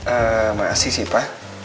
eh maasih sih pa